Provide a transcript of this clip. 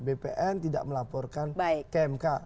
bpn tidak melaporkan ke mk